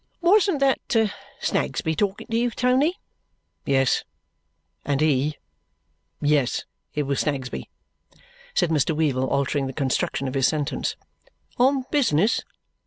"Wasn't that Snagsby talking to you, Tony?" "Yes, and he yes, it was Snagsby," said Mr. Weevle, altering the construction of his sentence. "On business?"